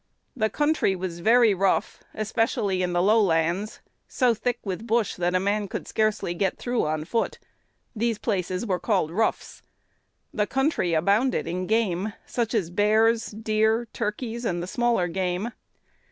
"The country was very rough, especially in the low lands, so thick with bush that a man could scarcely get through on foot. These places were called Roughs. The country abounded in game, such as bears, deer, turkeys, and the smaller game.